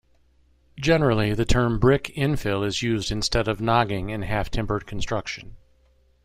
Generally the term "brick infill" is used instead of nogging in half-timbered construction.